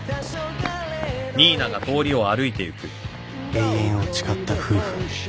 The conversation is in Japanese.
永遠を誓った夫婦